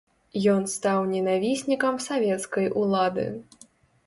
Ён стаў ненавіснікам савецкай улады.